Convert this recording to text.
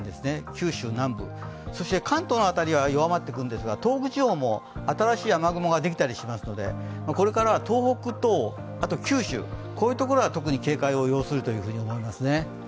九州南部、そして関東の辺りは弱まっていくんですが、東北地方も新しい雨雲ができたりしますので、これからは東北と九州、こういうところは特に警戒を要すると思いますね。